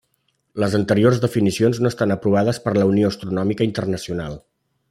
Les anteriors definicions no estan aprovades per la Unió Astronòmica Internacional.